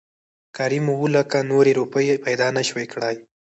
کريم اووه لکه نورې روپۍ پېدا نه شوى کړى .